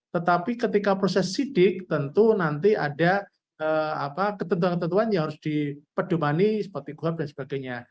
tetapi ketika proses sidik tentu nanti ada ketentuan ketentuan yang harus diperdomani seperti kuhap dan sebagainya